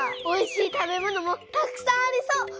おいしい食べ物もたくさんありそう。